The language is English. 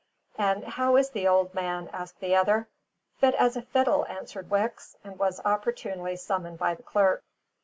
"And how is the old man?" asked the other. "Fit as a fiddle," answered Wicks, and was opportunely summoned by the clerk.